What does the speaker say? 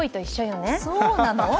そうなの？